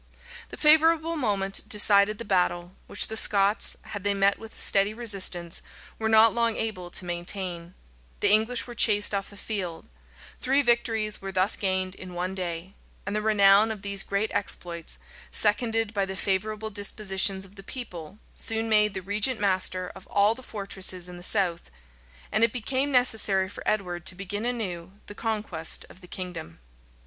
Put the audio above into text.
The favorable moment decided the battle; which the Scots, had they met with a steady resistance, were not long able to maintain: the English were chased off the field: three victories were thus gained in one day;[*] and the renown of these great exploits, seconded by the favorable dispositions of the people, soon made the regent master of all the fortresses in the south; and it became necessary for Edward to begin anew the conquest of the kingdom.